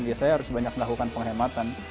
biasanya harus banyak melakukan penghematan